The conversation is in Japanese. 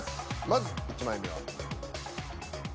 まず１枚目は。